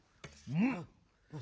うん！